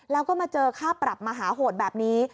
แล้วก็มาเจอค่าปรับมหาโหดแบบนี้